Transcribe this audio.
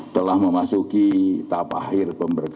telah memasuki tahap akhir pemberhentian